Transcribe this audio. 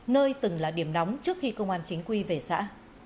nơi từng là điểm nóng trước khi công an chính quy về xã